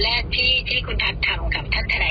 ซึ่งไม่ใช่พัฒน์คนที่เข้ามาแทนเข้ามาทำเนี้ย